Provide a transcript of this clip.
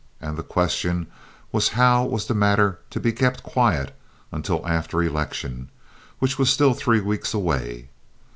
And the question was how was the matter to be kept quiet until after election, which was still three weeks away.